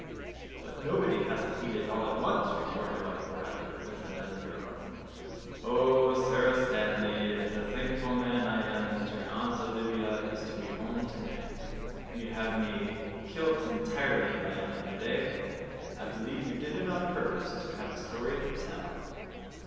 "But nobody has to eat it all at once," retorted Uncle Roger, with another groan. "Oh, Sara Stanley, it's a thankful man I am that your Aunt Olivia is to be home to night. You'd have me kilt entirely by another day. I believe you did it on purpose to have a story to tell."